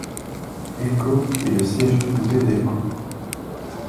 Elko est le siège du comté d'Elko.